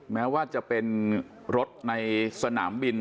แม้ว่าจะเป็นรถในสนามบิน